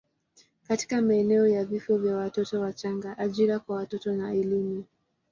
katika maeneo ya vifo vya watoto wachanga, ajira kwa watoto na elimu.